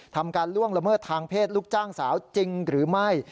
การล่วงละเมิดทางเพศลูกจ้างสาวจริงหรือไม่